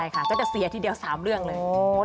ก็จะเสียทีเดียว๓เรื่องเลย